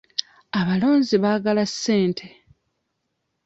Abalonzi baagala ssente.